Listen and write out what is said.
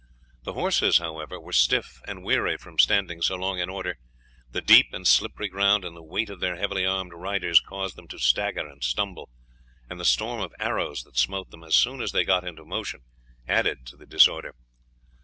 The horses, however, were stiff and weary from standing so long in order; the deep and slippery ground, and the weight of their heavily armed riders caused them to stagger and stumble, and the storm of arrows that smote them as soon as they got into motion added to the disorder.